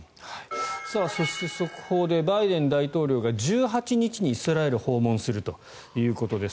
そして、速報でバイデン大統領が１８日にイスラエルを訪問するということです。